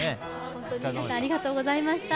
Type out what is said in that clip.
本当に皆さん、ありがとうございました。